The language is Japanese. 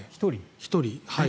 １人。